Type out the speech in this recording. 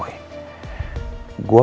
gue itu sangat berharap